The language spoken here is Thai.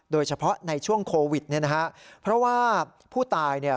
โดยเฉพาะในช่วงโควิดเนี่ยนะฮะเพราะว่าผู้ตายเนี่ย